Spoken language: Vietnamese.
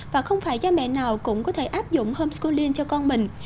và không phải cha mẹ nào cũng có thể áp dụng homeschooling cho con mình